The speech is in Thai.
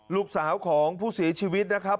ลูกสาวของผู้เสียชีวิตนะครับ